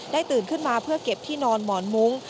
ตื่นขึ้นมาเพื่อเก็บที่นอนหมอนมุ้ง